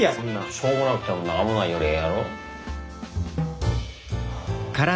しょうもなくても何もないよりええやろ？